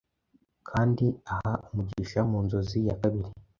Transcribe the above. kandi aha umugisha Mu nzozi ya kabiri